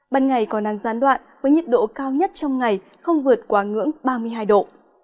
ban ngày có năng gián đoạn với nhiệt độ cao nhất trong ngày không vượt quá ngưỡng ba mươi hai độ